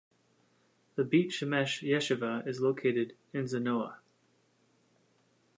The Beit Shemesh Yeshiva is located in Zanoah.